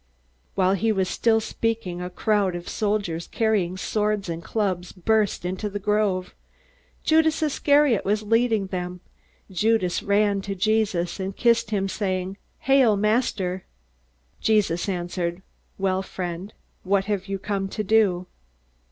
While he was still speaking, a crowd of soldiers carrying swords and clubs burst into the grove. Judas Iscariot was leading them. Judas ran to Jesus and kissed him, saying, "Hail, Master!" Jesus answered, "Well, friend what have you come to do?"